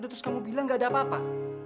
terus kamu bilang gak ada apa apa